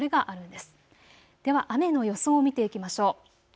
では雨の予想を見ていきましょう。